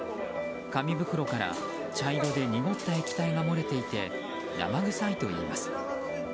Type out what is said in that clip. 紙袋から茶色で濁った液体が漏れていて生臭いといいます。